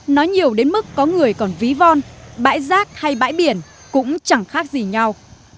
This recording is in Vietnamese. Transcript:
nói nhiều đến mức có người còn ví von bãi rác hay bãi biển cũng chẳng khác gì nhau